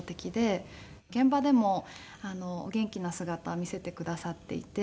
現場でもお元気な姿見せてくださっていて。